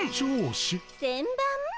せんばん？